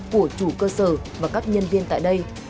của chủ cơ sở và các nhân viên tại đây